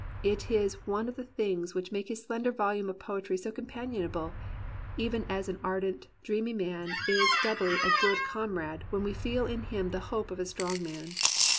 It is one of the things which make his slender volume of poetry so companionable, even as an ardent, dreamy man is doubly a good comrade when we feel in him the hope of a strong man.